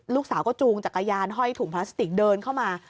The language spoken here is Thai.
ลูกสาวก็จูงจักรยานห้อยถุงพลาสติกเดินเข้ามา